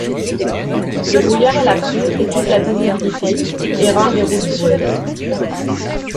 Le brouillard et la pluie réduisent la visibilité et rendent les routes boueuses.